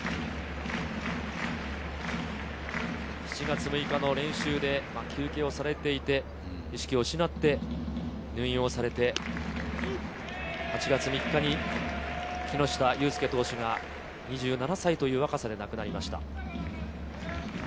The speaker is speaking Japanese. ７月６日の練習で休憩をしていて意識を失って入院して、８月３日に木下雄介投手が２７歳という若さで亡くなりました。